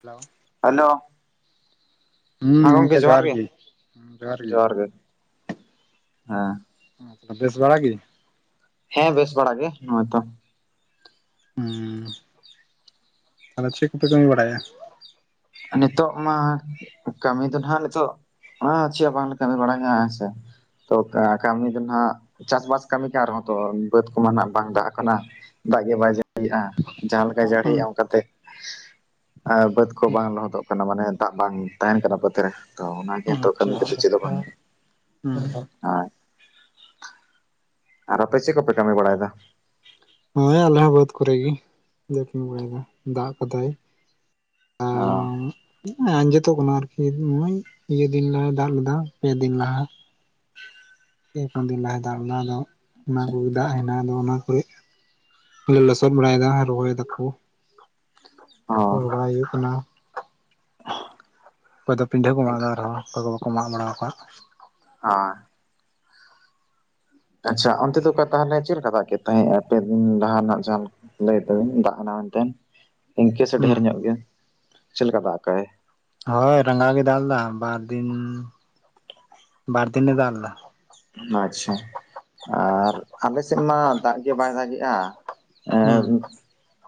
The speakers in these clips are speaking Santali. ᱦᱮᱞᱳ ᱦᱮᱞᱳ ᱦᱮᱸ ᱜᱚᱢᱠᱮ ᱡᱚᱦᱟᱨ ᱜᱮ ᱡᱚᱦᱟᱨ ᱜᱮ ᱦᱮᱸ ᱛᱟᱦᱚᱞᱮ ᱵᱮᱥ ᱵᱟᱲᱟ ᱜᱤ ᱦᱮᱸ ᱵᱮᱥ ᱵᱟᱲᱟ ᱜᱮ ᱱᱚᱚᱭᱛᱚ ᱦᱸ ᱛᱟᱦᱞᱮ ᱪᱮᱫ ᱠᱚᱯᱮ ᱠᱟᱹᱢᱤ ᱵᱟᱲᱟᱭᱟ ᱱᱤᱛᱚᱜ ᱢᱟ ᱠᱟᱹᱢᱤ ᱫᱚ ᱱᱟᱦᱟᱜ ᱱᱤᱛᱚᱜ ᱦ ᱪᱮᱫ ᱦᱚ ᱵᱟᱝᱞᱮ ᱠᱟᱹᱢᱤ ᱵᱟᱲᱟᱭᱟ ᱦᱮᱸᱥᱮ ᱛᱚ ᱠᱟᱹᱢᱤ ᱫᱚ ᱱᱟᱜ ᱪᱟᱥᱵᱟᱥ ᱠᱟᱹᱢᱤ ᱠᱟᱱ ᱨᱮᱦᱚᱸ ᱛᱚ ᱵᱟᱹᱫᱽ ᱠᱚᱢᱟ ᱱᱟᱜ ᱵᱟᱝ ᱫᱟᱜ ᱠᱟᱱᱟ᱾ ᱫᱟᱜ ᱜᱮ ᱵᱟᱭ ᱡᱟᱹᱲᱟᱜᱼᱟ ᱡᱟᱦᱟᱸ ᱞᱮᱠᱟ ᱡᱟᱹᱲᱤ ᱭᱮᱟ ᱚᱱᱠᱟᱛᱮ ᱟᱨ ᱵᱟᱹᱫᱽ ᱠᱚ ᱵᱟᱝ ᱞᱚᱦᱚᱫᱚᱜ ᱠᱟᱱᱟ ᱢᱟᱱᱮ ᱫᱟᱜ ᱵᱟᱝ ᱛᱟᱦᱮᱱ ᱠᱟᱱᱟ ᱵᱟᱹᱛ ᱨᱮ ᱛᱚ ᱚᱱᱟ ᱜᱮ ᱦᱤᱛᱚᱜ ᱟᱪᱪᱷᱟ ᱠᱟᱹᱢᱤ ᱠᱟᱛᱮ ᱟᱪᱪᱷᱟ ᱪᱮᱫ ᱦᱚᱸ ᱵᱟᱝ [inaudible] ᱟᱨ ᱟᱯᱮ ᱪᱮᱜ ᱠᱚᱯᱮ ᱠᱟᱹᱢᱤ ᱵᱟᱲᱟᱭ ᱫᱟ ᱦᱮᱸ ᱟᱞᱮ ᱦᱚᱸ ᱵᱟᱹᱫᱽ ᱠᱚᱨᱮ ᱜᱮ [unintelligible] ᱫᱟᱜ ᱠᱟᱫᱟᱭ ᱚ [unintelligible] ᱟᱸᱡᱮᱫᱚᱜ ᱠᱟᱱᱟ ᱟᱨ [unintelligible] ᱢᱟᱹᱭ ᱤᱭᱟᱹ ᱫᱤᱱ ᱞᱟᱦᱟᱭ ᱫᱟᱜ ᱞᱮᱫᱟ ᱯᱮ ᱫᱤᱱ ᱞᱟᱦᱟ ᱯᱮ ᱯᱳᱱ ᱫᱤᱱ ᱞᱟᱦᱟᱭ ᱫᱟᱜ ᱠᱟᱫᱟ ᱟᱫᱚ ᱚᱱᱟ ᱠᱚ ᱫᱟᱜ ᱦᱮᱱᱟᱜ ᱟᱫᱚ ᱚᱱᱟ ᱠᱚᱨᱮᱜ ᱞᱚᱥᱚᱫ ᱵᱟᱲᱟᱭ ᱫᱟ ᱨᱚᱦᱚᱭ ᱫᱟᱠᱚ ᱚ ᱦᱳᱲᱳ ᱨᱚᱦᱚᱭ ᱦᱩᱭᱩᱜ ᱠᱟᱱᱟ [unintelligible] ᱚᱠᱚᱭ ᱫᱚ ᱯᱤᱰᱷᱟᱹ ᱠᱚ ᱢᱟᱜ ᱫᱟ ᱟᱨᱦᱚᱸ ᱚᱠᱚᱭ ᱠᱚ ᱵᱟᱠᱚ ᱢᱟᱜ ᱵᱟᱲᱟ ᱠᱚᱣᱟ [unintelligible] ᱟᱪᱪᱷᱟ ᱚᱱᱛᱮ ᱫᱚ [unintelligible] ᱛᱟᱦᱚᱞᱮ ᱪᱮᱫ ᱞᱮᱠᱟ ᱫᱟᱜ ᱠᱮᱜ ᱛᱟᱦᱮᱸᱼᱟ ᱯᱮ ᱫᱤᱱ ᱞᱟᱦᱟ ᱱᱟᱜ ᱡᱟᱦᱟᱸ ᱞᱟᱹᱭ ᱛᱟᱵᱤᱱ ᱫᱟᱜ ᱦᱟᱱᱟ ᱢᱮᱱᱛᱮ ᱤᱱᱠᱟᱹ ᱥᱮ ᱦᱩᱸ ᱰᱷᱮᱨ ᱧᱚᱜ ᱜᱮ ᱪᱮᱫ ᱠᱟ ᱫᱟᱜ ᱠᱟᱜ ᱟᱭ ᱦᱳᱭ ᱨᱟᱸᱜᱟᱣ ᱜᱮ ᱫᱟᱞ ᱞᱮᱫᱟ ᱵᱟᱨ ᱫᱤᱱ ᱵᱟᱨ ᱫᱤᱱᱮ ᱫᱟᱜ ᱞᱮᱫᱟ ᱟᱪᱪᱷᱟ ᱟᱨ ᱟᱞᱮ ᱥᱮᱫ ᱢᱟ ᱫᱟᱜ ᱜᱮ ᱵᱟᱭ ᱫᱟᱜᱮᱜᱼᱟ ᱮᱸ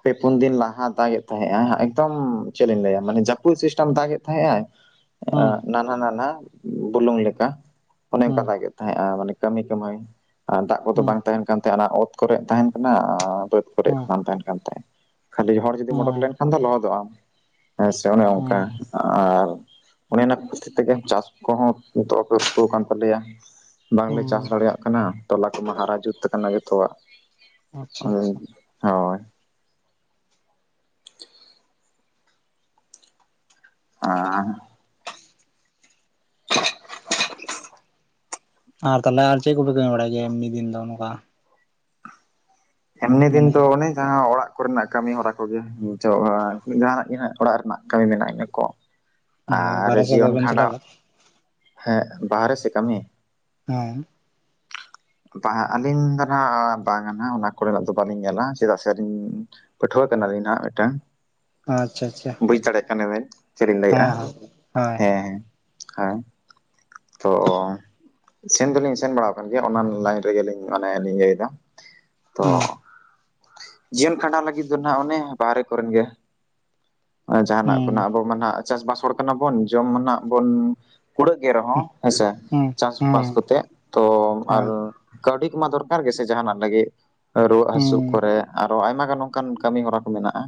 ᱯᱮ ᱯᱩᱱ ᱫᱤᱱ ᱞᱟᱦᱟ ᱫᱟᱜᱮᱜ ᱛᱟᱦᱮᱸᱜ ᱟᱭ ᱮᱠᱫᱚᱢ ᱪᱮᱫ ᱤᱧ ᱞᱟᱹᱭᱟ ᱢᱟᱱᱮ ᱡᱟᱹᱯᱩᱫ ᱥᱤᱥᱴᱮᱢ ᱫᱟᱜᱮᱜ ᱛᱟᱦᱮᱸᱜ ᱟᱭ [unintelligible] ᱱᱟᱱᱦᱟ ᱱᱟᱱᱦᱟ ᱵᱩᱞᱩᱝ ᱞᱮᱠᱟ ᱚᱱᱮ ᱚᱱᱠᱟ ᱫᱟᱜᱮ ᱛᱟᱦᱮᱸᱜᱼᱟ ᱢᱟᱱᱮ ᱠᱟᱹᱢᱤ ᱠᱟᱹᱢᱟᱭ ᱟᱨ ᱫᱟᱜ ᱠᱚᱫᱚ ᱵᱟᱝ ᱛᱟᱦᱮᱸᱱ ᱠᱟᱱ ᱛᱟᱦᱮᱸᱼᱟ ᱚᱱᱟ ᱚᱛ ᱠᱚᱨᱮ ᱛᱟᱦᱮᱸᱱ ᱠᱟᱱᱟ ᱟᱻ ᱵᱟᱹᱫᱽ ᱠᱚᱨᱮ ᱵᱟᱝ ᱛᱟᱦᱮᱸᱱ ᱠᱟᱱ ᱛᱟᱦᱮᱸ ᱠᱷᱟᱹᱞᱤ ᱦᱚᱲ ᱡᱩᱫᱤᱢ ᱳᱰᱳᱠ ᱞᱮᱱ ᱠᱷᱟᱱ ᱫᱚ ᱞᱚᱦᱚᱫᱚᱜ ᱟᱢ ᱦᱮᱸ ᱥᱮ ᱚᱱᱮ ᱚᱝᱠᱟ ᱦᱩᱸ ᱟᱨ ᱚᱱᱮ ᱚᱱᱟ ᱠᱷᱟᱹᱛᱤᱨ ᱛᱮᱜᱮ ᱪᱟᱥ ᱠᱚᱦᱚᱸ ᱱᱤᱛᱚᱜ ᱯᱟᱹᱨᱠᱟᱹᱣ ᱠᱟᱱ ᱛᱟᱞᱮᱭᱟ᱾ ᱵᱟᱝᱞᱮ ᱪᱟᱥ ᱦᱩᱸ ᱫᱟᱲᱮᱭᱟᱜ ᱠᱟᱱᱟ ᱛᱚᱞᱟ ᱠᱚᱢᱟ ᱦᱟᱨᱟ ᱡᱩᱛ ᱠᱟᱱᱟ ᱡᱚᱛᱚᱣᱟᱜ ᱟᱪᱪᱷᱟ ᱟᱪᱪᱷᱟ ᱦᱳᱭᱻ [inaudible] ᱟᱨ [inaudible] ᱟᱨ ᱛᱟᱦᱞᱮ ᱟᱨ ᱪᱮᱫ ᱠᱚᱯᱮ ᱠᱟᱹᱢᱤ ᱵᱟᱲᱟᱭ ᱜᱮᱭᱟ ᱮᱢᱱᱤ ᱫᱤᱱ ᱫᱚ ᱱᱚᱝᱠᱟ ᱮᱢᱱᱤ ᱫᱤᱱ ᱢᱟᱱᱮ ᱫᱚ ᱚᱱᱮ ᱡᱟᱦᱟᱸ ᱚᱲᱟᱜ ᱠᱚᱨᱮᱱᱟᱜ ᱠᱟᱹᱢᱤ ᱦᱚᱨᱟ ᱠᱚᱜᱮ ᱠᱚᱜ ᱵᱟᱲᱟ ᱡᱟᱦᱟᱸ ᱱᱟᱜ ᱜᱮ ᱱᱟᱜ ᱚᱲᱟᱜ ᱨᱮᱱᱟᱜ ᱠᱟᱹᱢᱤ ᱢᱮᱱᱟᱜ ᱤᱱᱟᱹ ᱠᱚ ᱦᱳᱭ ᱟᱨ ᱵᱟᱨᱦᱮ ᱥᱮᱫ ᱫᱚ ᱡᱤᱭᱚᱱ ᱵᱟᱵᱮᱱ ᱪᱟᱞᱟᱣ ᱠᱷᱟᱸᱰᱟᱣ ᱦᱮᱸ ᱵᱟᱦᱨᱮ ᱥᱮ ᱠᱟᱹᱢᱤ ᱦᱮᱸ ᱵᱟᱝ ᱟᱹᱞᱤᱧ ᱫᱚ ᱱᱟᱜ ᱵᱟᱝᱼᱟ ᱱᱟ ᱚᱱᱟ ᱠᱚᱨᱮᱱᱟᱜ ᱫᱚ ᱵᱟᱹᱞᱤᱧ ᱧᱮᱞᱟ ᱪᱮᱫᱟᱜ ᱥᱮ ᱟᱹᱞᱤᱧ ᱯᱟᱹᱴᱷᱩᱣᱟᱹ ᱠᱟᱱᱟᱞᱤᱧ ᱱᱟᱜ ᱢᱤᱜᱴᱟᱝ ᱟᱪᱪᱷᱟ ᱟᱪᱪᱷᱟ ᱪᱷᱟ ᱵᱩᱡᱽ ᱫᱟᱲᱮᱭᱟᱜ ᱠᱟᱱ ᱵᱤᱱ ᱪᱮᱫ ᱤᱧ ᱞᱟᱹᱭᱮᱜᱼᱟ ᱦᱳᱭ ᱦᱮᱸ ᱦᱮᱸ ᱾ ᱛᱚᱻ ᱥᱮᱱ ᱫᱚᱞᱤᱧ ᱥᱮᱱ ᱵᱟᱲᱟ ᱟᱠᱟᱱ ᱜᱮᱭᱟ ᱚᱱᱟ ᱞᱟᱭᱤᱱ ᱨᱮᱜᱮᱞᱤᱧ ᱚᱱᱮ ᱞᱤᱧ ᱤᱭᱟᱹᱭ ᱫᱟ [inaudible] ᱡᱤᱭᱚᱱ ᱠᱷᱟᱸᱰᱟᱣ ᱞᱟᱹᱜᱤᱫ ᱫᱚ ᱱᱟᱜ ᱚᱱᱮ ᱵᱟᱦᱨᱮ ᱠᱚᱨᱮᱱ ᱜᱮ ᱡᱟᱦᱟᱸ ᱱᱟᱜ ᱦᱩᱸ ᱠᱷᱚᱱᱟᱜ ᱟᱵᱚ ᱢᱟ ᱱᱟᱜ ᱪᱟᱥᱼᱵᱟᱥ ᱦᱚᱲ ᱠᱟᱱᱟ ᱵᱚᱱ ᱡᱚᱢ ᱢᱟ ᱱᱟᱜ ᱵᱚᱱ ᱠᱩᱲᱟᱹᱜ ᱜᱮ ᱨᱮᱦᱚᱸ ᱦᱮᱸᱥᱮ ᱦᱩᱸ ᱪᱟᱥᱵᱟᱥ ᱦᱩᱸ ᱠᱚᱛᱮᱜ ᱛᱚ ᱟᱨ ᱦᱳᱭ ᱠᱟᱹᱣᱰᱤ ᱠᱚᱢᱟ ᱫᱚᱨᱠᱟᱨ ᱜᱮᱥᱮ ᱡᱟᱦᱱᱟᱜ ᱞᱟᱹᱜᱤᱫ ᱨᱩᱣᱟᱹᱜ ᱦᱟᱹᱥᱩᱜ ᱦᱩᱸ ᱠᱚᱨᱮ ᱟᱨᱚ ᱟᱭᱢᱟ ᱜᱟᱱ ᱚᱱᱠᱟᱱ ᱠᱟᱹᱢᱤ ᱦᱚᱨᱟ ᱠᱚ ᱢᱮᱱᱟᱜᱼᱟ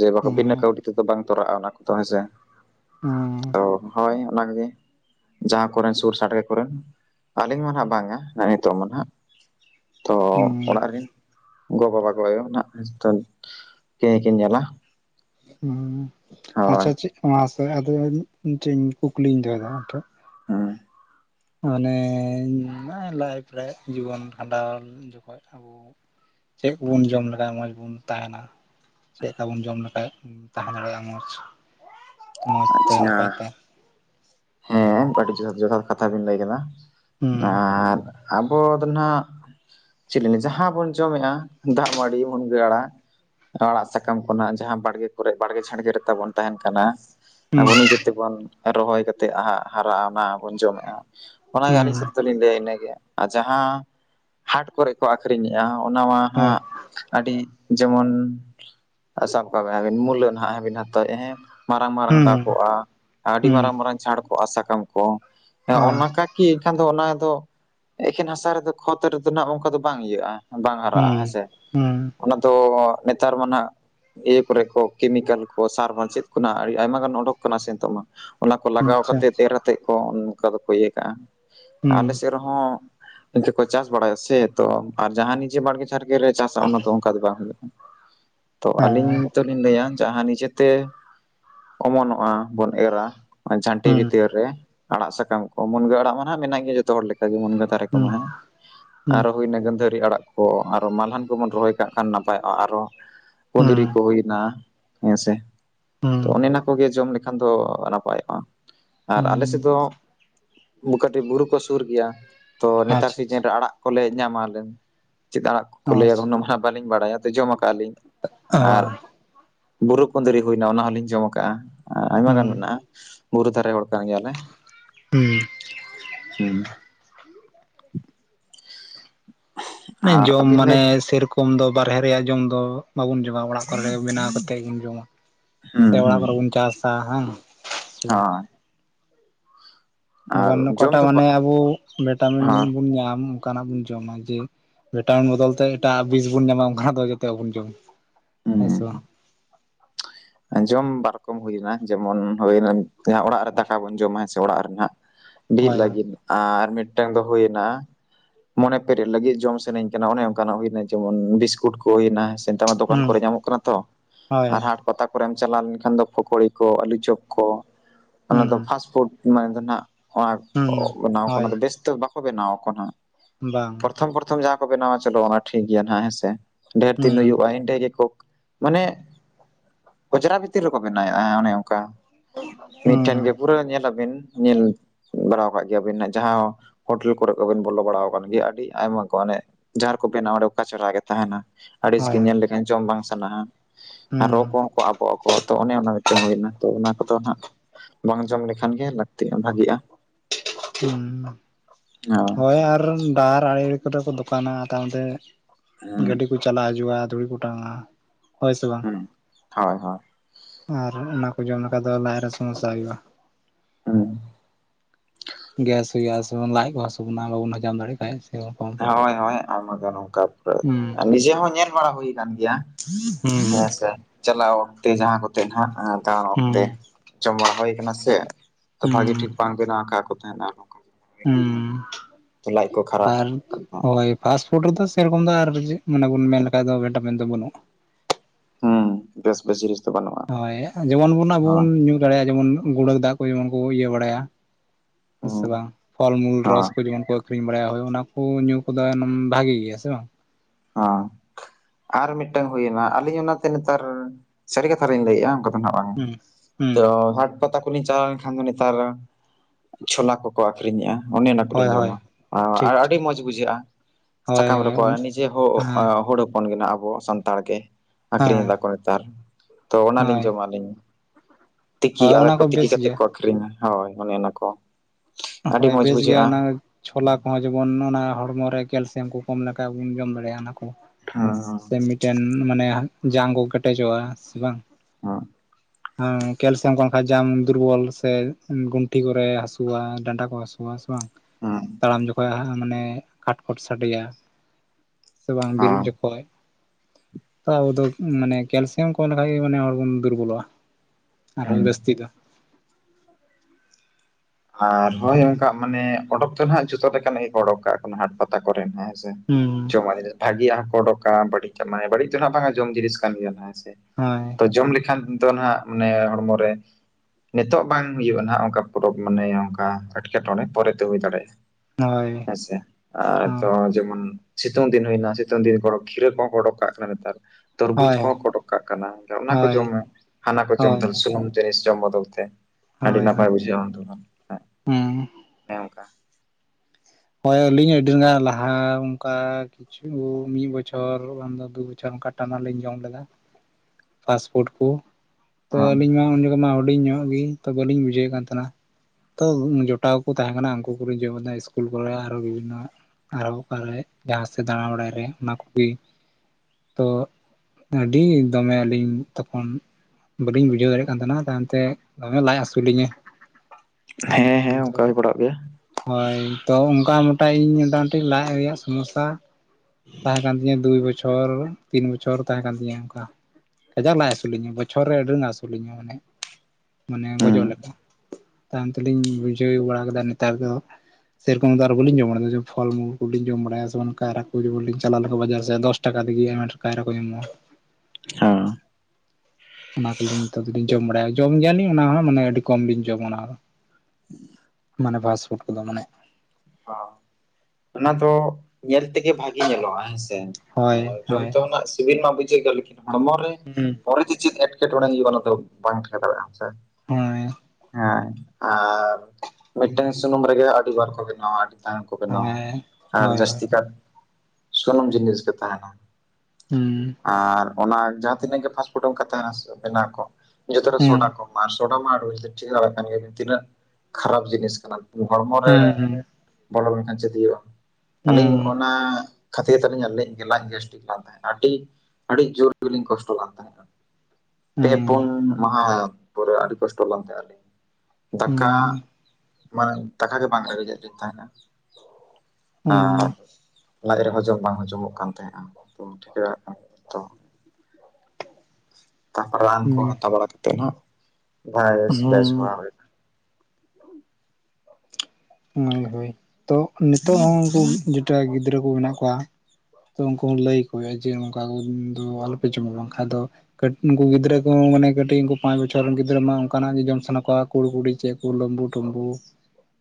ᱡᱮ ᱵᱟ ᱵᱤᱱᱟᱹ ᱦᱩᱸ ᱠᱟᱹᱣᱰᱤ ᱛᱮᱫᱚ ᱵᱟᱝ ᱛᱚᱨᱟᱜᱼᱟ ᱚᱱᱟ ᱠᱚᱫᱚ ᱦᱮᱸᱥᱮ ᱦᱮᱸᱻ ᱦᱚᱼᱦᱚᱭ ᱚᱱᱟ ᱜᱮ ᱡᱟᱦᱟᱸ ᱠᱚᱨᱮᱱ ᱥᱳᱨ ᱥᱟᱰᱜᱮ ᱠᱚᱨᱮᱱ ᱟᱹᱞᱤᱧ ᱢᱟ ᱱᱟᱦᱟᱜ ᱵᱟᱝᱼᱟ ᱱᱤᱛᱚᱜ ᱢᱟ ᱱᱟᱜ ᱛᱚ ᱦᱩᱸ ᱦᱩᱸ ᱚᱲᱟᱜ ᱨᱮᱱ ᱜᱚᱵᱟᱵᱟ ᱠᱚ ᱟᱭᱳ ᱱᱟᱸᱜ ᱠᱤᱱ ᱠᱤᱱ ᱧᱮᱞᱟ ᱦᱚᱸ ᱟᱪᱪᱷᱟ ᱦᱳᱭ ᱪᱮᱫ ᱠᱟᱱᱟᱥᱮ ᱟᱫᱚ ᱤᱧ ᱴᱷᱮᱱ ᱠᱩᱠᱞᱤᱧ ᱫᱚᱦᱚᱭᱮᱫᱟ ᱟᱢ ᱴᱷᱮᱱ ᱦᱩᱸ ᱚᱱᱮ ᱞᱟᱭᱤᱯᱷ ᱨᱮ ᱡᱤᱭᱚᱱ ᱠᱷᱟᱸᱰᱟᱣ ᱡᱚᱠᱷᱚᱡ ᱟᱵᱚ ᱪᱮᱫ ᱠᱚᱵᱚᱱ ᱡᱚᱢ ᱞᱮᱠᱷᱟ [inaudible] ᱢᱚᱡᱽ ᱵᱚᱱ ᱛᱟᱦᱮᱱᱟ ᱪᱮᱫᱞᱮᱠᱟ ᱵᱚᱱ ᱡᱚᱢ ᱞᱮᱠᱷᱟᱡ ᱛᱟᱦᱮᱸ ᱫᱟᱲᱮᱭᱟᱜᱼᱟ ᱢᱚᱸᱡᱽ ᱢᱚᱸᱡᱽᱛᱮ ᱱᱟᱯᱟᱭ ᱟᱪᱪᱷᱟ ᱛᱮ ᱦᱮᱸ ᱟᱹᱰᱤ ᱡᱚᱛᱷᱟᱛ ᱡᱚᱛᱷᱟᱛ ᱠᱟᱛᱷᱟ ᱵᱤᱱ ᱞᱟᱹᱭ ᱠᱟᱫᱟ ᱦᱩᱸ ᱟᱨ ᱟᱵᱚ ᱫᱚ ᱱᱟᱦᱟᱜ ᱪᱮᱫ ᱞᱤᱧ [inaudible] ᱡᱟᱦᱟᱸ ᱵᱚᱱ ᱡᱚᱢᱮᱜᱼᱟ ᱫᱟᱜ ᱢᱟᱹᱲᱤ ᱢᱩᱱᱜᱟᱹ ᱟᱲᱟᱜ ᱟᱲᱟᱜ ᱥᱟᱠᱟᱢ ᱠᱚᱱᱟᱦᱟᱜ ᱡᱟᱦᱟᱸ ᱵᱟᱲᱜᱮ ᱠᱚᱨᱮ ᱵᱟᱲᱜᱮ ᱡᱷᱟᱲᱜᱮ ᱨᱮ ᱛᱟᱵᱚᱱ ᱛᱟᱦᱮᱱ ᱠᱟᱱᱟ ᱟᱵᱚ ᱦᱩᱸ ᱱᱤᱡᱮ ᱛᱮᱵᱚᱱ ᱨᱚᱦᱚᱭ ᱠᱟᱛᱮᱜ ᱦᱟᱜ ᱦᱟᱨᱟᱜᱼᱟ ᱚᱱᱟ ᱵᱚᱱ ᱡᱚᱢᱮᱜᱼᱟ ᱚᱱᱟ ᱜᱮ ᱦᱩᱸ ᱟᱹᱞᱤᱧ ᱫᱚ ᱞᱤᱧ ᱞᱟᱹᱭᱟ ᱤᱱᱟᱹ ᱜᱮ ᱟᱨ ᱡᱟᱦᱟᱸ ᱦᱟᱴ ᱠᱚᱨᱮ ᱠᱚ ᱟᱠᱷᱨᱤᱧᱮᱜᱼᱟ ᱚᱱᱟ ᱢᱟ ᱦᱳᱭ ᱦᱟᱸᱜ ᱟᱹᱰᱤ ᱡᱮᱢᱚᱱ ᱥᱟᱵ ᱠᱟᱜᱵᱤᱱ ᱢᱩᱞᱟᱹ ᱱᱟᱦᱟᱜᱵᱤᱱ ᱦᱟᱛᱟᱣᱮᱜᱼᱟ ᱢᱟᱨᱟᱝ ᱢᱟᱨᱟᱝ ᱦᱩᱸ ᱫᱟ ᱠᱚᱜᱼᱟ ᱟᱹᱰᱤ ᱦᱩᱸ ᱢᱟᱨᱟᱝ ᱢᱟᱨᱟᱝ ᱡᱷᱟᱲ ᱠᱚᱜᱼᱟ ᱥᱟᱠᱟᱢ ᱠᱚ ᱦᱳᱭ ᱚᱱᱟᱠᱟ ᱠᱤ ᱮᱱᱠᱷᱟᱱ ᱫᱚ ᱚᱱᱟ ᱫᱚ ᱮᱠᱮᱱ ᱦᱟᱥᱟ ᱨᱮᱫᱚ ᱠᱷᱚᱛ ᱨᱮᱫᱚ ᱱᱟᱜ ᱚᱝᱠᱟ ᱫᱚ ᱵᱟᱝ ᱤᱭᱟᱹᱜᱼᱟ ᱵᱟᱝ ᱦᱩᱸ ᱦᱟᱨᱟᱜᱼᱟ ᱦᱮᱸᱥᱮ ᱦᱩᱸ ᱚᱱᱟ ᱫᱚ ᱱᱮᱛᱟᱨ ᱢᱟ ᱱᱟᱦᱟᱜ ᱤᱭᱟᱹ ᱠᱚᱨᱮ ᱠᱚ ᱠᱮᱢᱤᱠᱮᱞ ᱠᱚ ᱥᱟᱨᱢᱟᱨ ᱪᱮᱫ ᱠᱷᱚᱱᱟᱜ ᱟᱹᱰᱤ ᱟᱭᱢᱟ ᱜᱟᱱ ᱳᱰᱳᱠ ᱠᱟᱱᱟ ᱥᱮ ᱱᱤᱛᱚᱜ ᱢᱟ ᱚᱱᱟ ᱠᱚ ᱞᱟᱜᱟᱣ ᱟᱪᱪᱷᱟ ᱠᱟᱛᱮᱫ ᱟᱪᱪᱷᱟ ᱮᱨ ᱟᱛᱮᱫ ᱠᱚ ᱚᱱᱠᱟ ᱫᱚᱠᱚ ᱤᱭᱟᱹ ᱠᱟᱜᱼᱟ ᱦᱩᱸ ᱦᱮᱸ ᱟᱞᱮ ᱥᱮᱫ ᱨᱮᱦᱚᱸ ᱱᱤᱛᱚᱜ ᱪᱟᱥ ᱵᱟᱲᱟᱭᱟ ᱥᱮ ᱛᱚ ᱟᱨ ᱡᱟᱦᱟᱸ ᱱᱤᱡᱮ ᱵᱟᱲᱜᱮ ᱡᱷᱟᱨᱮ ᱜᱮ ᱨᱮ ᱪᱟᱥᱟ ᱚᱱᱟ ᱫᱚ ᱚᱱᱠᱟ ᱫᱚ ᱵᱟᱝ ᱦᱩᱭᱩᱜᱼᱟ ᱛᱚ ᱟᱹᱞᱤᱧ ᱛᱚᱞᱤᱧ ᱞᱟᱹᱭᱟ ᱡᱟᱦᱟᱸ ᱱᱤᱡᱮᱛᱮ ᱚᱢᱚᱱᱚᱜᱼᱟ ᱵᱚᱱ ᱮᱨᱟ ᱡᱷᱟᱹᱱᱴᱤ ᱦᱩᱸ ᱵᱷᱤᱛᱤᱹᱨ ᱨᱮ ᱟᱲᱟᱜ ᱥᱟᱠᱟᱢ ᱠᱚ ᱢᱩᱱᱜᱟᱹ ᱟᱲᱟᱜ ᱢᱟ ᱱᱟᱜ ᱢᱮᱱᱟᱜ ᱜᱮᱭᱟ ᱡᱚᱛᱚ ᱦᱚᱲ ᱞᱮᱠᱟᱜᱮ ᱢᱩᱱᱜᱟᱹ ᱫᱚ ᱫᱟᱨᱮ ᱦᱩᱸ ᱠᱚᱢᱟ ᱦᱮᱸ ᱟᱨᱚ ᱦᱩᱭᱱᱟ ᱜᱟᱹᱱᱫᱷᱟᱹᱨᱤ ᱟᱲᱟᱜ ᱠᱚ ᱠᱚ ᱟᱨᱚ ᱢᱟᱞᱦᱟᱱ ᱠᱚᱵᱚᱱ ᱨᱚᱦᱚᱭ ᱠᱟᱜ ᱠᱷᱟᱱ ᱱᱟᱯᱟᱭᱚᱜᱼᱟ ᱟᱨᱚ ᱠᱩᱸᱫᱽᱨᱤ ᱦᱩᱸ ᱠᱚ ᱦᱩᱭᱱᱟ ᱦᱮᱸᱥᱮ ᱛᱚ ᱦᱩᱸ ᱦᱩᱸ ᱚᱱᱮ ᱚᱱᱟ ᱠᱚᱜᱮ ᱡᱚᱢ ᱞᱮᱠᱷᱟᱱ ᱫᱚ ᱱᱟᱯᱟᱭᱚᱜ ᱟᱨ ᱦᱩᱸ ᱟᱞᱮ ᱥᱮᱫ ᱫᱚ ᱠᱟᱹᱴᱤᱡ ᱵᱩᱨᱩ ᱠᱚ ᱥᱳᱨ ᱜᱮᱭᱟ ᱛᱚ ᱱᱮᱛᱟᱨ ᱟᱪᱪᱷᱟ ᱟᱪᱪᱷᱟ ᱥᱤᱡᱤᱱ ᱨᱮ ᱟᱲᱟᱜ ᱠᱚᱞᱮ ᱧᱟᱢᱟᱞᱮ ᱪᱮᱫ ᱟᱲᱟᱜ ᱠᱚᱠᱚ ᱞᱟᱹᱭᱟ ᱜᱷᱚᱱᱚ ᱟᱪᱪᱷᱟ ᱢᱟ ᱵᱟᱹᱞᱤᱧ ᱵᱟᱲᱟᱭᱟ ᱡᱚᱢ ᱠᱟᱜ ᱟᱞᱤᱧ ᱟᱨ ᱵᱩᱨᱩ ᱠᱩᱸᱫᱽᱨᱤ ᱦᱩᱭᱱᱟ ᱚᱱᱟ ᱦᱚᱸᱞᱤᱧ ᱡᱚᱢ ᱠᱟᱜᱼᱟ ᱦᱳᱭ ᱟᱭᱢᱟ ᱜᱟᱱ ᱦᱩᱸ ᱢᱮᱱᱟᱜᱼᱟ ᱵᱩᱨᱩ ᱫᱷᱟᱨᱮ ᱦᱚᱲ ᱠᱟᱱ ᱜᱮᱭᱟᱞᱮ ᱦᱮᱸ [inaudible] ᱦᱩᱸ ᱢᱟᱱᱮ ᱟᱨ ᱡᱚᱢ ᱟᱹᱵᱤᱱ ᱢᱟᱱᱮ ᱞᱟᱹᱭ ᱥᱮᱨᱚᱠᱚ ᱠᱚᱢ ᱫᱚ ᱵᱟᱨᱦᱮ ᱨᱮᱭᱟᱜ ᱡᱚᱢ ᱫᱚ ᱵᱟᱵᱚᱱ ᱡᱚᱢᱟ ᱚᱲᱟᱜ ᱠᱚᱨᱮ ᱵᱮᱱᱟᱣ ᱠᱟᱛᱮᱫ ᱵᱚᱱ ᱡᱚᱢᱟ ᱦᱩᱸ ᱥᱮ ᱚᱲᱟᱜ ᱠᱚᱨᱮᱵᱚᱱ ᱪᱟᱥᱟ ᱦᱟᱸ ᱦᱚᱸ [unintelligible] ᱡᱚᱢ ᱚᱠᱟᱴᱟ ᱫᱚ ᱵᱟ ᱢᱟᱱᱮ ᱟᱵᱚ ᱵᱷᱮᱴᱟᱢᱤᱱ ᱦᱳᱭ ᱵᱚᱱ ᱧᱟᱢ ᱚᱱᱠᱟᱱᱟᱜ ᱵᱚᱱ ᱡᱚᱢᱟ ᱡᱮ ᱵᱷᱮᱴᱟᱢᱤᱱ ᱵᱚᱫᱚᱞ ᱛᱮ ᱮᱴᱟᱜ ᱵᱤᱥ ᱵᱚᱱ ᱧᱟᱢᱟ ᱚᱝᱠᱟᱱᱟᱜ ᱫᱚ ᱡᱟᱛᱮ ᱵᱟᱵᱚᱱ ᱡᱚᱢ ᱦᱮᱸ ᱥᱮ ᱵᱟᱝ ᱡᱚᱢ ᱵᱟᱨ ᱨᱚᱠᱚᱢ ᱦᱩᱭᱱᱟ ᱡᱮᱢᱚᱱ ᱦᱩᱭᱳᱱᱟ ᱚᱲᱟᱜ ᱨᱮ ᱫᱟᱠᱟ ᱵᱚᱱ ᱡᱚᱢᱟ ᱦᱮᱸᱥᱮ ᱚᱲᱟᱜ ᱨᱮᱱᱟᱜ ᱵᱤᱫ ᱦᱳᱭ ᱞᱟᱹᱜᱤᱫ ᱟᱨ ᱢᱤᱫᱴᱟᱝ ᱫᱚ ᱦᱩᱭᱱᱟ ᱢᱚᱱᱮ ᱯᱮᱨᱮᱡ ᱞᱟᱹᱜᱤᱫ ᱡᱚᱢ ᱥᱟᱹᱱᱟᱹᱧ ᱠᱟᱱᱟ ᱚᱱᱮ ᱚᱱᱠᱟᱱᱟᱜ ᱦᱩᱭᱱᱟ ᱡᱮᱢᱚᱱ ᱵᱤᱥᱠᱩᱴ ᱠᱚ ᱦᱩᱭᱱᱟ ᱦᱮᱸᱥ ᱱᱮᱛᱟᱨ ᱢᱟ ᱫᱚᱠᱟᱱ ᱠᱚᱨᱮ ᱧᱟᱢᱚᱜ ᱠᱟᱱᱟ ᱛᱚ ᱦᱳᱭ ᱟᱨ ᱦᱟᱴ ᱯᱟᱛᱟ ᱠᱚᱨᱮᱢ ᱪᱟᱞᱟᱣ ᱞᱮᱱᱠᱷᱟᱱ ᱫᱚ ᱯᱷᱚᱠᱳᱲᱤ ᱠᱚ ᱟᱹᱞᱩ ᱪᱚᱯ ᱠᱚ ᱦᱩᱸ ᱦᱳᱭ ᱦᱳᱭ ᱚᱱᱟ ᱦᱩᱸ ᱫᱚ ᱯᱷᱟᱥ ᱯᱷᱩᱰ ᱢᱟᱱᱮ ᱫᱚ ᱱᱟᱜ ᱚᱱᱟ ᱦᱩᱸ ᱵᱮᱱᱟᱣ ᱠᱟᱱᱟ ᱦᱳᱭ ᱵᱮᱥ ᱫᱚ ᱵᱟᱠᱚ ᱵᱮᱱᱟᱣᱟᱠᱚ ᱱᱟᱜ ᱵᱟᱝ ᱯᱚᱨᱛᱷᱚᱢ ᱯᱚᱨᱛᱷᱚᱢ ᱡᱟᱦᱟᱸ ᱠᱚ ᱵᱮᱱᱟᱣᱟ ᱪᱚᱞᱚ ᱚᱱᱟ ᱴᱷᱤᱠ ᱜᱮᱭᱟ ᱱᱟᱜ ᱦᱮᱸᱥᱮ ᱰᱷᱮᱨ ᱫᱤᱱ ᱦᱩᱸ ᱦᱩᱭᱩᱜᱼᱟ ᱮᱱᱰᱮ ᱜᱮᱠᱚ ᱢᱟᱱᱮ ᱚᱸᱡᱽᱨᱟ ᱵᱷᱤᱛᱤᱨ ᱨᱮᱠᱚ ᱵᱮᱱᱟᱣᱮᱫᱼᱟ ᱚᱱᱮ ᱚᱱᱠᱟ ᱦᱩᱸ ᱢᱤᱫᱴᱷᱮᱱ ᱜᱮ ᱯᱩᱨᱟᱹ ᱧᱮᱞᱟᱵᱤᱱ ᱧᱮᱞ ᱵᱟᱨᱟᱣᱠᱟᱜ ᱜᱮᱭᱟᱵᱤᱱ ᱱᱟᱜ ᱡᱟᱦᱟᱸ ᱦᱳᱴᱮᱞ ᱠᱚᱨᱮ ᱠᱚᱵᱤᱱ ᱵᱚᱞᱚ ᱵᱟᱲᱟ ᱟᱠᱟᱱ ᱜᱮᱭᱟ ᱟᱹᱰᱤ ᱟᱭᱢᱟ ᱠᱚ ᱟᱱᱮ ᱡᱟᱦᱟᱸ ᱨᱮᱠᱚ ᱵᱮᱱᱟᱣᱟ ᱚᱸᱰᱮ ᱠᱟᱪᱨᱟᱜᱮ ᱛᱟᱦᱮᱱᱟ ᱟᱹᱲᱤ ᱦᱳᱭ ᱥᱤᱜᱮ ᱧᱮᱞ ᱞᱮᱠᱷᱟᱱ ᱡᱚᱢ ᱵᱟᱝ ᱥᱟᱱᱟᱦᱟ ᱟᱨ ᱦᱩᱸ ᱨᱚ ᱠᱚ ᱟᱵᱚ ᱟᱠᱚ ᱛᱚ ᱚᱱᱮ ᱚᱱᱟ ᱢᱤᱫ ᱴᱮᱱ ᱦᱩᱭᱱᱟ ᱛᱚ ᱚᱱᱟ ᱠᱚᱫᱚ ᱦᱟᱜ ᱵᱟᱝ ᱡᱚᱢ ᱞᱮᱠᱷᱟᱱ ᱜᱮ ᱞᱟᱹᱠᱛᱤᱜᱼᱟ ᱵᱷᱟᱜᱤᱜᱼᱟ ᱦᱩᱸ ᱦᱳᱭ ᱟᱨ ᱰᱟᱦᱟᱨ ᱟᱲᱮ ᱠᱚᱨᱮ ᱠᱚ ᱫᱚᱠᱟᱱᱟ ᱛᱟᱭᱚᱢ ᱛᱮ ᱦᱳᱭ ᱜᱟᱹᱰᱤ ᱠᱚ ᱪᱟᱞᱟᱣ ᱦᱤᱡᱩᱜᱼᱟ ᱫᱷᱩᱲᱤ ᱠᱚ ᱚᱴᱟᱝᱼᱟ ᱦᱳᱭ ᱥᱮ ᱵᱟᱝ ᱦᱳᱭ ᱦᱳᱭ ᱦᱳᱭ ᱟᱨ ᱚᱱᱟ ᱠᱚ ᱡᱚᱢ ᱞᱮᱠᱷᱟᱱ ᱫᱚ ᱞᱟᱡ ᱨᱮ ᱥᱚᱢᱚᱥᱥᱟ ᱦᱩᱭᱩᱜᱼᱟ ᱦᱮᱸ ᱜᱮᱥ ᱦᱩᱭᱩᱜᱼᱟ ᱥᱮ ᱞᱟᱡ ᱠᱚ ᱦᱟᱹᱥᱩ ᱵᱚᱱᱟ ᱵᱟᱵᱚᱱ ᱦᱟᱡᱟᱢ ᱫᱟᱲᱮᱭᱟᱜ ᱠᱷᱟᱡ᱾ ᱨᱚᱠᱚᱢ ᱦᱳᱭ ᱦᱳᱭ ᱟᱭᱢᱟᱜᱟᱱ ᱱᱚᱝᱠᱟ ᱯᱩᱨᱟᱹ ᱱᱤᱡᱮ ᱦᱚᱸ ᱧᱮᱞ ᱵᱟᱲᱟ ᱦᱩᱭ ᱟᱠᱟᱱ ᱜᱮᱭᱟ ᱦᱮᱸ ᱥᱮ ᱪᱟᱞᱟᱣ ᱚᱠᱛᱮ ᱡᱟᱦᱟᱸ ᱠᱚᱛᱮ ᱦᱟᱜ ᱫᱟᱬᱟᱱ ᱚᱠᱛᱮ ᱡᱚᱢ ᱵᱟᱲᱟ ᱦᱩᱭ ᱠᱟᱱᱟ ᱥᱮ ᱛᱚ ᱵᱷᱟᱹᱜᱤ ᱴᱷᱤᱠ ᱵᱟᱝ ᱵᱮᱱᱟᱣ ᱟᱠᱟᱫ ᱠᱚ ᱛᱟᱦᱮᱱᱟ ᱾ ᱚᱢᱻ ᱠᱷᱟᱨᱟᱯ ᱟᱨ ᱟᱠᱟᱫ ᱛᱟᱦᱮᱸᱜ ᱦᱳᱭ ᱯᱷᱟᱥᱴ ᱯᱷᱩᱰ ᱨᱮᱫᱚ ᱥᱮᱨᱚᱠᱚᱢ ᱫᱚ ᱟᱨ ᱢᱟᱱᱮ ᱵᱚᱱ ᱢᱮᱱ ᱞᱮᱠᱷᱟᱱ ᱫᱚ ᱵᱷᱤᱴᱟᱢᱤᱱ ᱫᱚ ᱵᱟᱹᱱᱩᱜᱼᱟ ᱦᱩᱸ ᱵᱮᱥ ᱵᱮᱥ ᱵᱮᱥ ᱦᱳᱭ ᱡᱮᱢᱚᱱ ᱵᱚᱱ ᱟᱵᱚ ᱵᱚᱱ ᱧᱩ ᱫᱟᱲᱮᱭᱟᱜᱼᱟ ᱡᱮᱢᱚᱱ ᱜᱩᱲᱟᱹ ᱫᱟᱜ ᱠᱚ ᱡᱮᱢᱚᱱ ᱠᱚ ᱤᱭᱟᱹ ᱵᱟᱲᱟᱭᱟ ᱦᱮᱸ ᱥᱮ ᱦᱩᱸ ᱵᱟᱝ ᱯᱷᱚᱞ ᱢᱩᱞ ᱨᱚᱥ ᱦᱚᱸ ᱠᱚ ᱡᱮᱢᱚᱱ ᱠᱚ ᱟᱠᱷᱨᱤᱧ ᱵᱟᱲᱟᱭᱟ ᱦᱩᱭᱩᱜ ᱚᱱᱟ ᱠᱚ ᱧᱩ ᱠᱚᱫᱚ ᱮ ᱵᱷᱟᱜᱮ ᱜᱮᱭᱟ ᱥᱮ ᱵᱟᱝ ᱟᱨ ᱢᱤᱫ ᱴᱟᱝ ᱦᱩᱭᱱᱟ ᱟᱹᱞᱤᱧ ᱚᱱᱟ ᱛᱮ ᱱᱮᱛᱟᱨ ᱥᱟᱹᱨᱤ ᱠᱟᱛᱷᱟ ᱞᱤᱧ ᱞᱟᱹᱭᱮᱫᱼᱟ ᱵᱟᱝ ᱦᱩᱸ ᱛᱚ ᱦᱟᱴ ᱯᱟᱛᱟ ᱠᱚᱞᱤᱧ ᱪᱟᱞᱟᱣ ᱞᱮᱱ ᱠᱷᱟᱱ ᱫᱚ ᱱᱮᱛᱟᱨ ᱡᱷᱳᱞᱟ ᱠᱚ ᱟᱠᱷᱨᱤᱧᱮᱜᱼᱟ ᱚᱱᱮ ᱚᱱᱟ ᱦᱳᱭ ᱠᱚᱞᱤᱧ ᱦᱳᱭ ᱡᱚᱢᱟ ᱴᱷᱤᱠ ᱟᱨ ᱟᱹᱰᱤ ᱴᱷᱤᱠ ᱢᱚᱸᱡᱽ ᱵᱩᱡᱷᱟᱹᱜᱼᱟ ᱦᱳᱭ ᱥᱟᱠᱟᱢ ᱦᱳᱭ ᱨᱮᱠᱚ ᱡᱮᱦᱳ ᱦᱮᱸ ᱦᱚᱲ ᱦᱚᱯᱚᱱ ᱜᱮ ᱱᱟᱜ ᱟᱵᱚ ᱥᱟᱱᱛᱟᱲ ᱜᱮ ᱟᱠᱷᱨᱤᱧ ᱫᱟ ᱦᱮᱸ ᱠᱚ ᱱᱮᱛᱟᱨ᱾ ᱛᱚ ᱚᱱᱟᱞᱤᱧ ᱦᱳᱭ ᱡᱚᱢᱟᱞᱤᱧ ᱛᱤᱠᱤ ᱦᱳᱭ ᱟᱫᱟ ᱚᱱᱟ ᱠᱚ ᱛᱤᱠᱤ ᱵᱮᱥ ᱠᱟᱛᱮ ᱜᱮᱭᱟ ᱠᱚ ᱟᱠᱷᱨᱤᱧᱟ ᱦᱳᱭ ᱚᱱᱮ ᱚᱱᱟ ᱠᱚ ᱟᱹᱰᱤ ᱦᱳᱭ ᱢᱚᱸᱡᱽ ᱵᱮᱥ ᱜᱮᱭᱟ ᱵᱩᱡᱷᱟᱹᱜᱼᱟ ᱚᱱᱟ ᱪᱷᱚᱞᱟ ᱠᱚᱦᱚᱸ ᱡᱮᱢᱚᱱ ᱚᱱᱟ ᱦᱚᱲᱢᱚ ᱨᱮ ᱠᱮᱞᱥᱤᱭᱟᱢ ᱠᱚ ᱠᱚᱢ ᱞᱮᱠᱷᱟ ᱵᱚᱱ ᱡᱚᱢ ᱫᱟᱲᱮᱭᱟᱜᱼᱟ, ᱚᱱᱟ ᱠᱚ᱾ ᱦᱮᱸᱻ᱾ ᱢᱤᱫ ᱴᱮᱱ ᱢᱟᱱᱮ ᱡᱟᱝ ᱠᱚ ᱠᱮᱴᱮᱡᱚᱜᱼᱟ ᱥᱮ ᱵᱟᱝ? [unintelligible] ᱠᱮᱞᱥᱤᱭᱟᱢ ᱠᱚ ᱵᱟᱝ ᱠᱷᱟᱡ ᱡᱟᱝ ᱫᱩᱨᱵᱚᱞ ᱥᱮ ᱜᱩᱱᱴᱷᱤ ᱠᱚᱨᱮ ᱦᱟᱹᱥᱩᱣᱟ᱾ ᱰᱟᱱᱰᱟ ᱠᱚ ᱦᱟᱥᱩᱣᱟ ᱥᱮ ᱵᱟᱝ? ᱦᱮᱸᱻ᱾ ᱛᱟᱲᱟᱢ ᱡᱚᱠᱷᱚᱡ ᱦᱟᱸᱜ ᱢᱟᱱᱮ ᱠᱷᱟᱴ ᱠᱚᱴ ᱥᱟᱰᱮᱭᱟ᱾ ᱥᱮ ᱵᱟᱝ ᱵᱤᱨᱤᱫ ᱦᱮᱸ ᱡᱚᱠᱷᱚᱡ᱾ ᱛᱚ ᱟᱵᱚ ᱫᱚ ᱢᱟᱱᱮ ᱠᱮᱞᱥᱤᱭᱟᱢ ᱠᱚᱢ ᱞᱮᱠᱷᱟᱱ ᱢᱟᱱᱮ ᱦᱚᱲ ᱵᱚᱱ ᱫᱩᱨᱵᱚᱞᱚᱜᱼᱟ᱾ ᱟᱨᱦᱚᱸ ᱦᱮᱸ ᱡᱟᱹᱥᱛᱤ ᱫᱚ ᱟᱨ ᱦᱳᱭ ᱚᱱᱠᱟ ᱢᱟᱱᱮ ᱚᱰᱚᱠ ᱛᱮ ᱦᱟᱸᱜ ᱡᱷᱚᱛᱚ ᱞᱮᱠᱟᱱᱟᱜ ᱜᱮ ᱚᱰᱚᱠ ᱠᱟᱜ ᱠᱚ ᱦᱟᱴ ᱯᱟᱛᱟ ᱠᱚᱨᱮ ᱦᱮᱸ ᱥᱮ ᱦᱩᱸ ᱡᱚᱢᱟᱜ ᱡᱤᱱᱤᱥ ᱵᱷᱟᱜᱤᱭᱟᱜ ᱦᱚᱸᱠᱚ ᱚᱰᱳᱠ ᱠᱟᱜᱼᱟ ᱵᱟᱹᱲᱤᱡᱟᱜ ᱵᱟᱹᱲᱤᱡ ᱫᱚ ᱦᱟᱜ ᱵᱟᱝᱼᱟ ᱡᱚᱢ ᱡᱤᱱᱤᱥ ᱠᱟᱱ ᱜᱮᱭᱟ ᱦᱸ ᱥᱮ᱾ ᱦᱳᱭ᱾ ᱛᱚ ᱡᱚᱢ ᱞᱮᱠᱷᱟᱱ ᱫᱚ ᱱᱟᱜ ᱢᱟᱱᱮ ᱦᱚᱲᱢᱚ ᱨᱮ ᱱᱤᱛᱚᱜ ᱵᱟᱝ ᱦᱩᱭᱩᱜᱼᱟ ᱚᱱᱠᱟ ᱯᱚᱨᱚᱵ ᱨᱮ ᱢᱟᱱᱮ ᱚᱱᱠᱟ ᱮᱴᱠᱮᱴᱚᱬᱮ ᱯᱚᱨᱮ ᱛᱮ ᱦᱩᱭ ᱫᱟᱲᱮᱭᱜᱼᱟ᱾ ᱦᱳᱭ ᱟᱪᱪᱷᱟ ᱟᱨ ᱛᱚ ᱦᱳᱭ ᱡᱮᱢᱚᱱ ᱥᱤᱛᱩᱝ ᱫᱤᱱ ᱦᱩᱭᱱᱟ ᱥᱤᱛᱩᱝ ᱫᱤᱱ ᱠᱚᱦᱚᱸ ᱠᱷᱤᱨᱟᱹ ᱠᱚᱦᱚᱸ ᱠᱚ ᱚᱰᱳᱠ ᱠᱟᱜ ᱠᱟᱱᱟ ᱱᱮᱛᱟᱨ᱾ ᱛᱚᱨᱵᱩᱡ ᱦᱳᱭ ᱠᱚᱦᱚᱸ ᱠᱚ ᱚᱰᱳᱠ ᱠᱟᱜ ᱠᱟᱱᱟ ᱚᱱᱟ ᱠᱚ ᱡᱚᱢ ᱦᱳᱭ ᱢᱮ, ᱦᱟᱱᱟ ᱠᱚ ᱡᱚᱢ ᱦᱳᱭ ᱛᱟᱞᱮ ᱥᱩᱱᱩᱢ ᱡᱤᱱᱤᱥ ᱡᱚᱢ ᱵᱚᱫᱚᱞ ᱛᱮ ᱟᱹᱰᱤ ᱱᱟᱯᱟᱭ ᱵᱩᱡᱷᱟᱹᱜᱼᱟ ᱚᱱᱟ ᱫᱚ᱾ ᱦᱮᱸᱻ᱾ ᱦᱮ ᱚᱱᱠᱟ ᱦᱳᱭ ᱟᱹᱞᱤᱧ ᱟᱹᱰᱤ ᱜᱟᱱ ᱞᱟᱦᱟ ᱚᱱᱠᱟ ᱠᱤᱪᱷᱩ ᱢᱤᱫ ᱵᱚᱪᱷᱚᱨ ᱵᱟᱝ ᱫᱚ ᱫᱩ ᱵᱚᱪᱷᱚᱨ ᱚᱱᱠᱟ ᱴᱟᱱᱟᱞᱤᱧ ᱡᱚᱢ ᱞᱮᱫᱟ᱾ ᱯᱷᱟᱥᱴ ᱯᱷᱩᱰ ᱠᱚ ᱛᱚ ᱟᱹᱞᱤᱧ ᱢᱟ ᱩᱱᱡᱟᱠᱷᱟ ᱢᱟ ᱦᱩᱰᱤᱧ ᱧᱚᱜ ᱜᱮ᱾ ᱛᱚ ᱵᱟᱹᱞᱤᱧ ᱵᱩᱡᱷᱟᱹᱣᱮᱫ ᱠᱟᱱ ᱛᱟᱦᱮᱸᱱᱟ ᱛᱚ ᱡᱚᱴᱟᱣ ᱠᱚ ᱛᱟᱦᱮᱸ ᱠᱟᱱᱟ ᱩᱱᱠᱩ ᱠᱚᱞᱤᱧ ᱡᱚᱢ ᱦᱩᱭ ᱵᱟᱲᱟ ᱟᱨᱦᱚ ᱵᱤᱵᱷᱤᱱᱱᱚ ᱟᱨᱚ ᱚᱠᱟᱨᱮ ᱡᱟᱦᱟᱸ ᱥᱮᱫ ᱫᱟᱬᱟ ᱵᱟᱲᱟᱭ ᱨᱮ ᱚᱱᱟ ᱠᱚᱜᱮ ᱛᱚ ᱟᱹᱰᱤ ᱫᱚᱢᱮ ᱟᱹᱞᱤᱧ ᱛᱚᱠᱷᱚᱱ ᱵᱟᱹᱞᱤᱧ ᱵᱩᱡᱷᱟᱹᱣ ᱫᱟᱲᱮᱭᱟᱜ ᱠᱟᱱ ᱛᱟᱦᱮᱸᱱᱟ ᱛᱟᱭᱚᱢᱛᱮ ᱫᱚᱢᱮ ᱞᱟᱡᱽ ᱦᱟᱥᱩ ᱞᱤᱧᱟᱹ᱾ ᱦᱮᱸᱻ ᱦᱮᱸᱻ, ᱚᱝᱠᱟ ᱦᱩᱭ ᱵᱟᱲᱟᱜ ᱜᱮᱭᱟ᱾ ᱦᱳᱭ ᱛᱚ ᱚᱝᱠᱟ ᱢᱚᱴᱟ ᱤᱧ ᱢᱚᱴᱟ ᱤᱧ ᱞᱟᱡᱽ ᱨᱮᱭᱟᱜ ᱥᱚᱢᱚᱥᱥᱟ ᱛᱟᱦᱮᱸ ᱠᱟᱱ ᱛᱤᱧᱟᱹ ᱫᱩᱭ ᱵᱚᱪᱷᱚᱨ ᱛᱤᱱ ᱵᱚᱪᱷᱚᱨ ᱛᱟᱦᱮᱸ ᱠᱟᱱ ᱛᱤᱧᱟᱹ ᱚᱱᱠᱟ᱾ ᱠᱟᱡᱟᱠ ᱞᱟᱡ ᱦᱟᱹᱥᱩᱞᱤᱧᱟᱹ ᱵᱚᱪᱷᱚᱨ ᱨᱮ ᱟᱹᱰᱤ ᱱᱟᱜ ᱦᱟᱹᱥᱩᱞᱤᱧᱟᱹ ᱢᱟᱱᱮ ᱢᱟᱱᱮ ᱜᱚᱡᱚᱜ ᱦᱮᱸ ᱞᱮᱠᱟ ᱛᱟᱭᱚᱢ ᱛᱮᱞᱤᱧ ᱵᱩᱡᱷᱟᱹᱣ ᱵᱟᱲᱟ ᱠᱮᱫᱟ ᱱᱮᱛᱟᱨ ᱫᱚ ᱥᱮᱨᱚᱠᱚᱢ ᱫᱚ ᱟᱨ ᱵᱟᱞᱤᱧ ᱡᱚᱢ ᱵᱟᱲᱟᱭᱟ᱾ ᱡᱮ ᱯᱷᱚᱞ ᱢᱩᱞ ᱠᱚᱞᱤᱧ ᱡᱚᱢ ᱵᱟᱲᱟᱭᱟ ᱥᱮ ᱚᱱᱠᱟ ᱠᱟᱭᱨᱟ ᱠᱚ ᱡᱮᱢᱚᱱᱤ ᱪᱟᱞᱟᱣ ᱞᱮᱠᱷᱟᱱ ᱵᱟᱡᱟᱨ ᱥᱮᱫ, ᱫᱚᱥ ᱴᱟᱠᱟ ᱛᱮᱜᱮ ᱟᱨ ᱠᱟᱭᱨ ᱠᱚ ᱧᱟᱢᱚᱜᱼᱟ᱾ ᱦᱟᱸᱻ᱾ ᱚᱱᱟ ᱠᱚᱞᱤᱧ ᱱᱤᱛᱚᱜ ᱫᱚᱞᱤᱧ ᱡᱚᱢ ᱵᱟᱲᱟᱭᱟ᱾ ᱡᱚᱢ ᱜᱮᱭᱟᱞᱤᱧ ᱚᱱᱟ ᱦᱚᱸ ᱢᱟᱱᱮ ᱟᱹᱰᱤ ᱠᱚᱢ ᱞᱤᱧ ᱡᱚᱢᱟ ᱚᱱᱟ ᱢᱟᱱᱮ ᱯᱷᱟᱥᱴ ᱯᱷᱩᱰ ᱠᱚᱫᱚ ᱢᱟᱱᱮ ᱚᱸ ᱚᱱᱟ ᱫᱚ ᱧᱮᱞ ᱛᱮᱜᱮ ᱵᱷᱟᱜᱤ ᱧᱮᱞᱚᱜᱼᱟ ᱦᱮᱸᱥᱮ? ᱦᱳᱭ ᱟᱨ ᱡᱚᱢ ᱦᱳᱭ ᱛᱮᱦᱚᱱᱟᱜ ᱥᱤᱵᱤᱞ ᱢᱟ ᱵᱩᱡᱷᱟᱹᱜ ᱜᱮᱭᱟ ᱞᱮᱠᱤᱱ ᱦᱚᱲᱢᱚ ᱨᱮ ᱦᱩᱸ ᱯᱚᱨᱮ ᱜᱮ ᱪᱮᱫ ᱮᱴ ᱮᱠᱮᱴᱚᱬᱮ ᱡᱩᱭᱩᱼᱟ ᱚᱱᱟ ᱫᱚ ᱵᱟᱝ ᱪᱤᱠᱟᱹ ᱫᱟᱲᱮᱭᱟᱜ ᱟᱢ ᱥᱮ᱾ ᱦᱮᱸᱻ᱾ ᱦᱮᱸ ᱟᱨ ᱢᱤᱝᱴᱟᱝ ᱥᱩᱱᱩᱢ ᱨᱮᱜᱮ ᱟᱹᱰᱤ ᱵᱟᱨ ᱠᱚ ᱵᱮᱱᱟᱣᱟ᱾ ᱠᱚ ᱵᱮᱱᱟᱣᱟ ᱦᱳᱭ ᱟᱨ ᱦᱳᱭ ᱦᱳᱭ ᱡᱟᱹᱥᱛᱤ ᱠᱟᱛ ᱥᱩᱱᱩᱢ ᱡᱤᱱᱤᱥ ᱜᱮ ᱛᱟᱦᱮᱱᱟ᱾ ᱦᱩᱸᱻ᱾ ᱟᱨ ᱚᱱᱟ ᱡᱟᱦᱟᱸ ᱛᱤᱱᱟᱹᱜ ᱜᱮ ᱯᱷᱟᱥᱴ ᱯᱚᱴᱚᱢ ᱠᱟᱛᱮ ᱦᱮᱱᱟᱜ ᱟᱥᱮ, ᱵᱮᱱᱟᱣ ᱠᱚ ᱡᱚᱛᱚ ᱨᱮ ᱥᱚᱰᱟ ᱦᱩᱸ ᱠᱚ ᱢᱟᱨᱥᱚᱰᱟ ᱢᱟ ᱟᱰᱤ ᱴᱷᱤᱠ ᱠᱟᱱ ᱜᱮᱭᱟ ᱛᱤᱱᱟᱹᱜ ᱠᱷᱟᱨᱟᱯ ᱡᱤᱱᱤᱥ ᱠᱟᱱᱟ ᱦᱚᱲᱢᱚ ᱨᱮ ᱦᱩᱸ ᱵᱚᱞᱚ ᱞᱮᱱᱠᱷᱟᱱ ᱪᱮᱫ ᱦᱩᱭᱩᱜᱼᱟ ᱟᱹᱞᱤᱧ ᱦᱩᱸ ᱚᱱᱟ ᱠᱷᱟᱹᱛᱤᱭᱟ ᱛᱟᱞᱤᱧ ᱟᱞᱤᱧᱟᱜ ᱜᱮ ᱞᱟᱡᱽ ᱜᱮᱥᱴᱤᱠ ᱛᱟᱦᱮᱸᱫ, ᱟᱹᱰᱤ ᱟᱹᱰᱤ ᱡᱩᱨ ᱜᱮᱞᱤᱧ ᱠᱚᱥᱴᱚ ᱠᱟᱱ ᱛᱟᱦᱮᱸᱱᱟ᱾ ᱦᱩᱸ ᱯᱮ ᱯᱩᱱ ᱢᱟᱦᱟ ᱯᱚᱨᱮ ᱟᱹᱰᱤ ᱠᱚᱥᱴᱚ ᱞᱮᱞ ᱛᱟᱦᱮᱸ ᱟᱞᱤᱧ᱾ ᱦᱩᱸ ᱫᱟᱠᱟ ᱦᱩᱸ ᱢᱟᱱᱮ ᱫᱟᱠᱟ ᱜᱮ ᱵᱟᱝ ᱨᱮᱜᱮᱡᱮᱫ ᱞᱤᱧ ᱛᱟᱦᱮᱱᱟ᱾ ᱟᱨ ᱦᱩᱸ ᱞᱟᱡ ᱨᱮᱦᱚᱸ ᱡᱚᱢ ᱵᱟᱝ ᱦᱚᱡᱚᱢᱚᱜ ᱠᱟᱱ ᱛᱟᱦᱮᱸᱜ-ᱟ ᱛᱚ ᱴᱷᱤᱠᱟᱹ ᱫᱟᱲᱮᱭᱟᱜ ᱠᱟᱱᱟ ᱜᱮᱭᱟ ᱛᱚ, [inaudible] ᱛᱟᱯᱚᱨ ᱨᱟᱱ ᱠᱚ ᱦᱩᱸ ᱦᱟᱛᱟᱣ ᱵᱟᱲᱟ ᱠᱟᱛᱮᱫ ᱱᱟᱦᱟᱜ ᱵᱟᱭ ᱵᱮᱥ ᱦᱩᱸ ᱵᱟᱲᱟᱣ ᱦᱩᱭᱱᱟ ᱦᱳᱭ ᱦᱳᱭ ᱛᱚ ᱱᱤᱛᱚᱜ ᱦᱚᱸ ᱩᱱᱠᱩ ᱡᱚᱴᱟᱣ ᱜᱤᱫᱽᱨᱟᱹ ᱠᱚ ᱢᱮᱱᱟᱜ ᱠᱚᱣᱟ ᱛᱚ ᱩᱱᱠᱩ ᱦᱚᱸ ᱞᱟᱹᱭ ᱟᱠᱚ ᱦᱩᱭᱩᱜ-ᱟ ᱡᱮ ᱚᱝᱠᱟ ᱫᱚ ᱟᱞᱚᱯᱮ ᱡᱚᱢᱟ ᱵᱟᱝᱠᱷᱟᱭ ᱫᱚ ᱠᱟᱹᱴ ᱩᱱᱠᱩ ᱜᱤᱫᱽᱨᱟᱹ ᱠᱚᱦᱚᱸ ᱢᱟᱱᱮ ᱠᱟᱹᱴᱤᱡ ᱩᱱᱠᱩ ᱯᱟᱸᱪ ᱵᱚᱪᱷᱚᱨ ᱨᱮᱱ ᱜᱤᱫᱽᱨᱟᱹ ᱢᱟ ᱚᱝᱠᱟᱱᱟᱜ ᱜᱮ ᱡᱚᱢ ᱥᱟᱱᱟ ᱠᱚᱣᱟ ᱠᱩᱲ ᱠᱩᱲᱤ ᱪᱮᱫ ᱠᱚ ᱞᱩᱢᱵᱩ ᱴᱩᱢᱵᱩ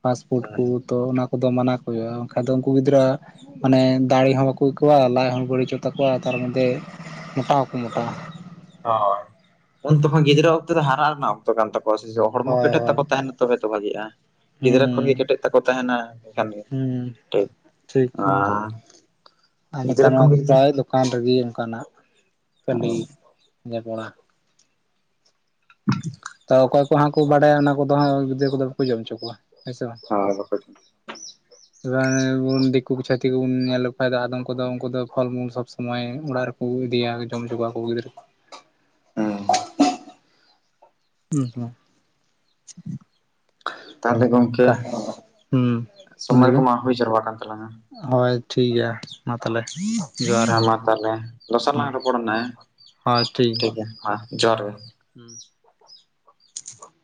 ᱯᱟᱥᱯᱳᱨᱴ ᱠᱚ ᱦᱩᱸ ᱛᱚ ᱚᱱᱟ ᱠᱚᱫᱚ ᱢᱟᱱᱟ ᱠᱚ ᱦᱩᱭᱩᱜ-ᱟ ᱵᱟᱠᱷᱟᱱ ᱫᱚ ᱩᱱᱠᱩ ᱜᱤᱫᱽᱨᱟᱹ ᱢᱟᱱᱮ ᱫᱟᱲᱮ ᱦᱚᱸ ᱵᱟᱠᱚ ᱟᱹᱭᱠᱟᱹᱣᱟ ᱞᱟᱡᱽ ᱦᱚᱸ ᱵᱟᱹᱲᱤᱡᱚᱜ ᱛᱟᱠᱚᱣᱟ ᱛᱟᱨ ᱢᱚᱫᱫᱷᱮ ᱢᱚᱴᱟ ᱦᱚᱸᱠᱚ ᱢᱚᱴᱟᱜ-ᱟ᱾ ᱦᱳᱭ ᱩᱱ ᱛᱚᱠᱷᱚᱱ ᱜᱤᱫᱽᱨᱟᱹ ᱚᱠᱛᱚ ᱨᱮ ᱦᱟᱨᱟᱜ ᱨᱮᱱᱟᱜ ᱚᱠᱛᱚ ᱠᱟᱱ ᱛᱟᱠᱚᱣᱟ ᱥᱮ ᱦᱚᱲᱢᱚ ᱦᱳᱭ ᱠᱮᱴᱮᱡ ᱦᱳᱭ ᱛᱟᱠᱚ ᱛᱟᱦᱮᱱᱟ᱾ ᱛᱚᱵᱮ ᱛᱚ ᱵᱦᱟᱜᱤᱜ-ᱟ ᱜᱤᱫᱽᱨᱟᱹ ᱠᱷᱚᱱᱜᱮ ᱦᱩᱸ ᱠᱮᱴᱮᱡ ᱛᱟᱠᱚ ᱛᱟᱦᱮᱱᱟ ᱦᱩᱸ ᱴᱷᱤᱠ ᱴᱷᱤᱠ ᱦᱮᱸ ᱟᱨ ᱟ ᱱᱮᱛᱟ ᱜᱤᱫᱽᱨᱟᱹ ᱠᱷᱚᱱ ᱱᱚᱣᱟ ᱯᱮ ᱜᱮ ᱡᱩᱫᱤ ᱯᱨᱟᱭ ᱫᱚ ᱠᱟᱱ ᱨᱮᱜᱮ ᱚᱝᱠᱟᱱᱟ ᱠᱷᱟᱹᱞᱤ ᱡᱚᱯᱚᱲᱟ [inaudible] ᱛᱚ ᱚᱠᱚᱭ ᱠᱚ ᱦᱟᱸᱜ ᱠᱚ ᱵᱟᱰᱟᱭᱟ ᱚᱱᱟ ᱠᱚᱫᱚ ᱦᱟᱸᱜ ᱜᱤᱫᱽᱨᱟᱹ ᱠᱚᱫᱚ ᱵᱟᱠᱚ ᱡᱚᱢ ᱚᱪᱚ ᱠᱚᱣᱟ ᱦᱮᱸ ᱥᱮ ᱵᱟᱝ [unintelligible] [inaudible] [unintelligible] ᱫᱤᱠᱩ ᱠᱚ ᱪᱷᱟᱹᱛᱤᱠ ᱠᱚᱵᱚᱱ ᱧᱮᱞ ᱞᱮᱠᱚᱠᱷᱟᱱ ᱫᱚ ᱟᱫᱚᱢ ᱠᱚᱫᱚ ᱩᱱᱠᱩ ᱯᱷᱚᱞ ᱢᱩᱞ ᱥᱚᱵᱽ ᱥᱚᱢᱚᱭ ᱚᱲᱟᱜ ᱨᱮ ᱩᱭ ᱫᱮᱭᱟ ᱡᱚᱢ ᱦᱚᱪᱚ ᱠᱚᱣᱟ ᱠᱚ ᱜᱤᱫᱽᱨᱟᱹ ᱠᱚ ᱦᱮᱸ ᱦᱩᱸ ᱦᱩ ᱛᱟᱦᱚᱞᱮ ᱜᱚᱝᱠᱮ ᱚᱠᱟ ᱦᱩᱸ ᱞᱟᱹᱭ ᱥᱚᱢᱚᱭ ᱵᱮᱱ ᱠᱚᱢᱟ ᱦᱩᱭ ᱡᱟᱨᱣᱟ ᱠᱟᱱ ᱛᱟᱞᱟᱝᱟ᱾ ᱦᱳᱭ ᱴᱷᱤᱠ ᱜᱮᱭᱟ ᱢᱟ ᱛᱟᱦᱚᱞᱮ ᱡᱚᱦᱟᱨ ᱦᱮᱸ ᱜᱮ ᱢᱟ ᱛᱟᱦᱚᱞᱮ ᱫᱚᱥᱟᱨ ᱞᱟᱝ ᱨᱚᱯᱚᱲ ᱱᱟ ᱦᱮᱸ ᱴᱷᱤᱠ ᱜᱮᱭᱟ ᱢᱟ ᱡᱚᱦᱟᱨ ᱜᱮ ᱦᱩᱸ